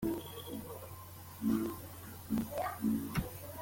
Kuvogera inzego, uburyarya bwinshi kuryanisha abayobozi ndetse n’abayoboke !